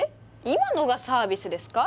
今のがサービスですか？